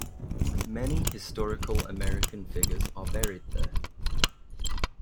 Many historical American figures are buried there.